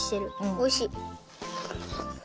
おいしい。